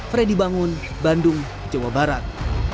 freddy bangun bandung jawa barat